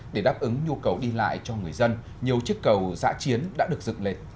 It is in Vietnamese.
để đáp ứng nhu cầu đi lại cho người dân nhiều chiếc cầu giã chiến đã được dựng lên